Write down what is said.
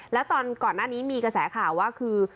แล้วตอนก่อนหน้านี้มีกระแสข่าวว่าคือ